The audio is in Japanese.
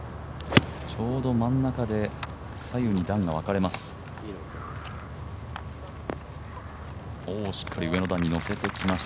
ちょうど真ん中で左右に段が分かれます。